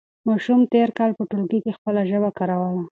ماشوم تېر کال په ټولګي کې خپله ژبه کاروله.